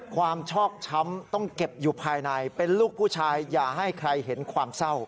ความชอบช้ำต้องเก็บอยู่ภายในเป็นลูกผู้ชายอย่าให้ใครเห็นความเศร้า